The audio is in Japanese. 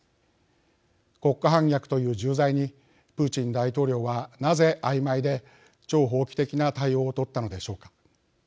国家反逆という重罪にプーチン大統領は、なぜあいまいで超法規的な対応を取ったのでしょうか。